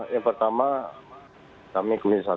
yang pertama kami komisi satu